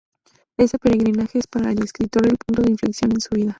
Ese peregrinaje es para el escritor el punto de inflexión en su vida.